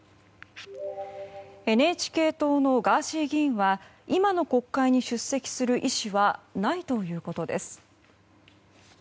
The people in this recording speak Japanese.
ＮＨＫ党のガーシー議員は今の国会に出席する意思はないということです。